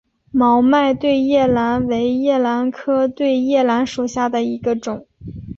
毛脉对叶兰为兰科对叶兰属下的一个种。